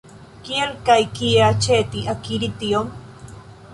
Kiel kaj kie aĉeti, akiri tion?